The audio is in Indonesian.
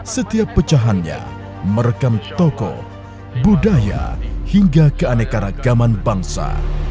setiap pecahannya merekam tokoh budaya hingga keanekaragaman bangsa